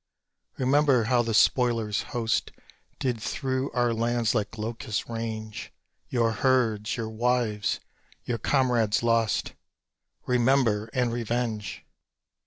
Remember how the spoiler's host Did through our land like locusts range! Your herds, your wives, your comrades lost Remember and revenge!